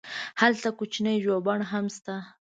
هلته کوچنی ژوبڼ هم شته.